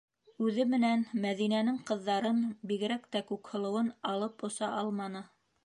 Үҙе менән Мәҙинәнең ҡыҙҙарын, бигерәк тә Күкһылыуын алып оса алманы.